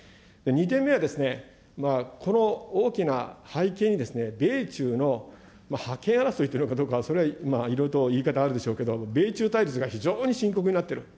２点目はですね、この大きな背景に、米中の覇権争いというのかどうか、それはいろいろと言い方あるでしょうけれども、米中対立が非常に深刻になっている。